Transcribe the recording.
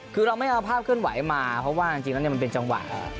คือเราไม่เอาภาพเคลื่อนไหวมาเพราะว่าจริงแล้วมันเป็นจังหวะ